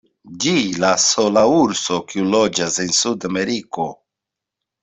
Ĝi la sola urso, kiu loĝas en Sudameriko.